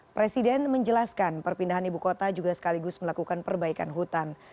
presiden menjelaskan perpindahan ibu kota juga sekaligus melakukan perbaikan hutan